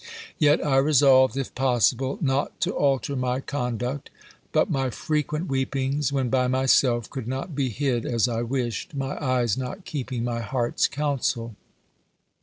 Yet I resolved, if possible, not to alter my conduct. But my frequent weepings, when by myself, could not be hid as I wished; my eyes not keeping my heart's counsel.